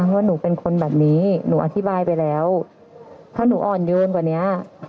ว่าหนูเป็นคนแบบนี้หนูอธิบายไปแล้วถ้าหนูอ่อนโยนกว่านี้